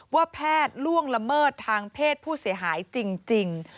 ว่าแพทย์ล่วงละเมิดทางเพศผู้เสียหายจริง